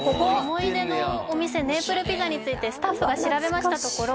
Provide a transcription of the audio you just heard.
思い出のお店ネープルズ・ピザについてスタッフが調べましたところ